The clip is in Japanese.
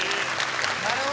なるほど。